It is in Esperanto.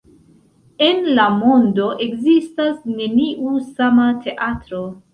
En la mondo ekzistas neniu sama teatro.